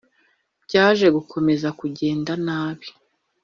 byaje gukomeza kugenda nabi